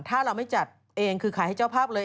ถ้าเราไม่จัดเองคือขายให้เจ้าภาพเลย